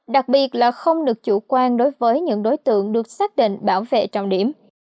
đặc biệt là không được chủ quan đối với những đối tượng được xác định bảo vệ trọng điểm